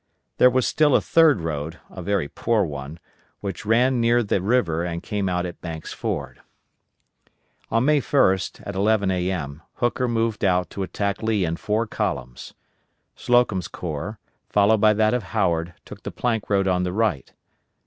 There was still a third road, a very poor one, which ran near the river and came out at Banks' Ford. On May 1st, at 11 A.M., Hooker moved out to attack Lee in four columns. Slocum's corps, followed by that of Howard, took the plank road on the right.